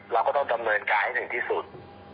เราก็ต้องเงินกายให้ได้สรุป